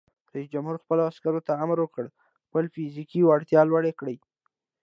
رئیس جمهور خپلو عسکرو ته امر وکړ؛ خپله فزیکي وړتیا لوړه کړئ!